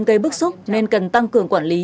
gây bức xúc nên cần tăng cường quản lý